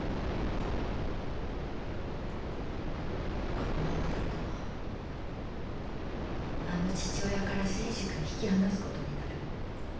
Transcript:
このままだとあの父親から征二君引き離すことになる。